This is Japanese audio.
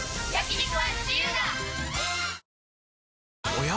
おや？